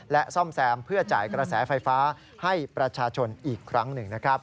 และซ่อมแซมเพื่อจ่ายกระแสไฟฟ้าให้ประชาชนอีกครั้งหนึ่งนะครับ